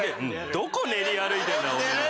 どこ練り歩いてんだお前。